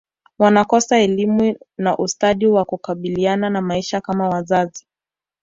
wanakosa elimu na ustadi wa kukabiliana na maisha kama wazazi